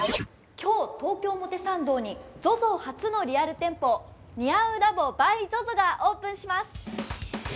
今日、東京・表参道にＺＯＺＯ初のリアル店舗ｎｉａｕｌａｂｂｙＺＯＺＯがオープンします